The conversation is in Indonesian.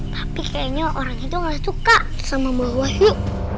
tapi kayaknya orang itu ga suka sama mo wahyu